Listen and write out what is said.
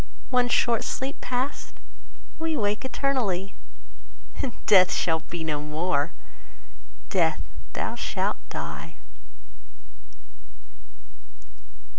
One short sleep past, we wake eternally, And Death shall be no more: Death, thou shalt die!